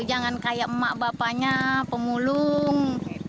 jangan kayak emak bapaknya pemulung